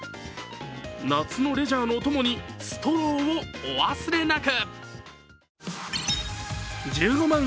夏のレジャーのお供にストローをお忘れなく。